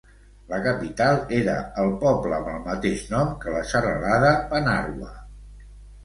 La capital era el poble amb el mateix nom que la serralada Panarwa.